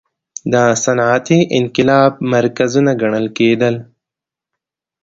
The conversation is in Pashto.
د صنعتي انقلاب مرکزونه ګڼل کېدل.